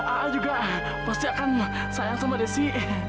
ah juga pasti akan sayang sama desi